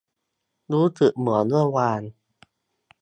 รู้สึกเหมือนเมื่อวาน